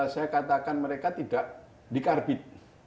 saya katakan mereka tidak dikarbit